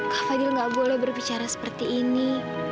kak fadil nggak boleh berbicara seperti ini